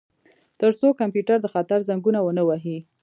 ترڅو کمپیوټر د خطر زنګونه ونه وهي